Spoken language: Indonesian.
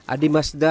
adi masdah lebak